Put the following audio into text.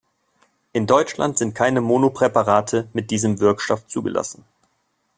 In Deutschland sind keine Monopräparate mit diesem Wirkstoff zugelassen.